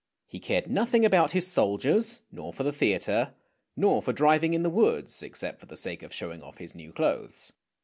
He cared nothing about his soldiers nor for the theatre, nor for driving in the woods except for the sake of showing off his new clothes.